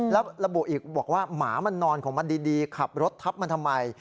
แล้วระบุอีกบอกว่าหมามันนอนของมันดีขับรถทับมันทำไม